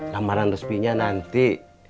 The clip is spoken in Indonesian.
lamaran resminya nanti